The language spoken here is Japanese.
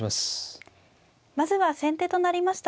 まずは先手となりました